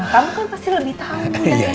kamu kan pasti lebih tahu budak budaknya kan